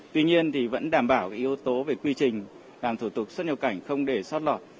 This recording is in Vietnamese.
tuy nhiên thì vẫn đảm bảo yếu tố về quy trình làm thủ tục xuất nhập cảnh không để sót lọt